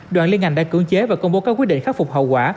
đoàn liên ngành đã cưỡng chế và công bố các quyết định khắc phục hậu quả